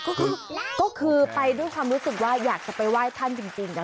ก็คือไปด้วยความรู้สึกว่าอยากจะไปไหว้ท่านจริง